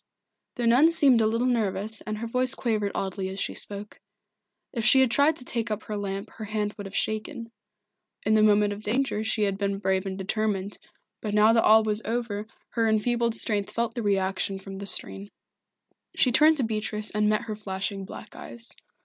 The nun seemed a little nervous and her voice quavered oddly as she spoke. If she had tried to take up her lamp her hand would have shaken. In the moment of danger she had been brave and determined, but now that all was over her enfeebled strength felt the reaction from the strain. She turned to Beatrice and met her flashing black eyes.